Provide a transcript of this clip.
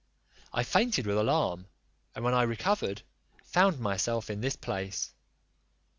I fainted with alarm, and when I recovered, found myself in this place.